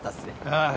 ・ああ。